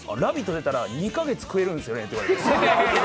出たら２か月食えるんですよねって言われて。